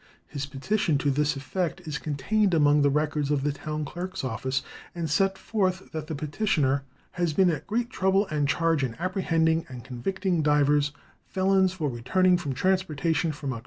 His petition to this effect is contained among the records of the town clerk's office, and sets forth that the petitioner "has been at great trouble and charge in apprehending and convicting divers felons for returning from transportation from Oct.